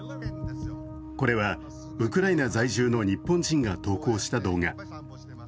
これはウクライナ在住の日本人が投稿した動画。